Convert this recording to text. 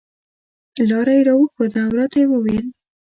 لاره یې هم راښوده او راته یې وویل.